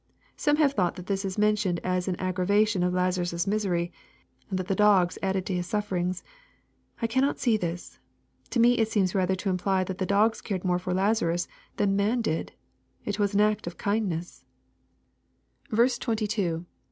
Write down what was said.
] Some have thought that this is mentioned as an aggravation of Lazarus' misery, and that the dogs added to his sufferings. I cannot see shis. To me it seems rather to imply that the dogs cared more for Lazarus than naan did. It was an act of kindness. ' 10 218 EXPOSITOBY THOUuHTS. 22.